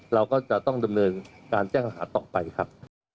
เราก็จะต้องดำเนินการแจ้งอาหารต่อไปครับ